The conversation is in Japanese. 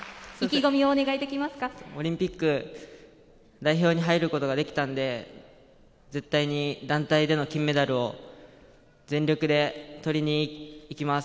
オリンピックの代表に入ることができたので、絶対に団体での金メダルを全力で取りに行きます。